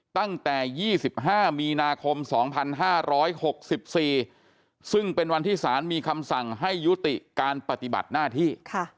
ตั้งแต่๒๕มีนาคม๒๕๖๔ซึ่งเป็นวันที่สารมีคำสั่งให้ยุติการปฏิบัติหน้าที่